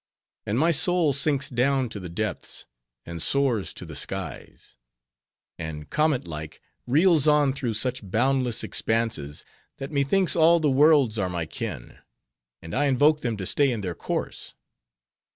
And my soul sinks down to the depths, and soars to the skies; and comet like reels on through such boundless expanses, that methinks all the worlds are my kin, and I invoke them to stay in their course.